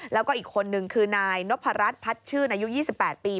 แล้วก็อีกคนนึงคือนายนพรัชพัดชื่นอายุ๒๘ปี